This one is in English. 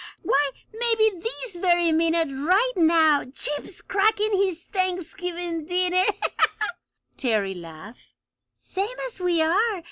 "Why, maybe this very minute right now Chip's cracking his Thanksgiving dinner!" Terry laughed. "Same as we are!